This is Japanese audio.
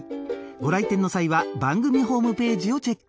ご来店の際は番組ホームページをチェック